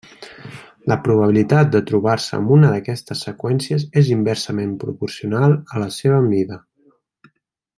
La probabilitat de trobar-se amb una d'aquestes seqüències és inversament proporcional a la seva mida.